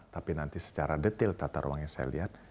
tapi nanti secara detail tata ruangnya saya lihat